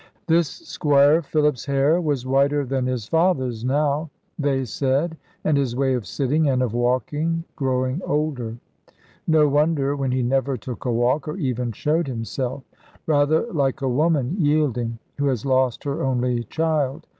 This Squire Philip's hair was whiter than his father's now, they said; and his way of sitting, and of walking, growing older. No wonder, when he never took a walk, or even showed himself; rather like a woman yielding, who has lost her only child.